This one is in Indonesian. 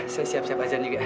saya siap siap azan juga